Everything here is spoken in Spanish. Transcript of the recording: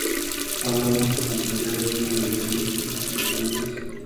Adornos, como collares y medallones, no son infrecuentes.